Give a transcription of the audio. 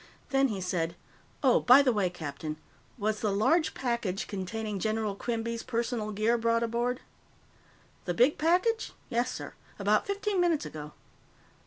Then he said: "Oh, by the way, captain was the large package containing General Quinby's personal gear brought aboard?" "The big package? Yes, sir. About fifteen minutes ago."